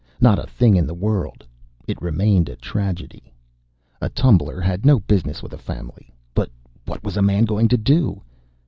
Not a thing in the world. It remained a tragedy. A tumbler had no business with a family, but what was a man going to do?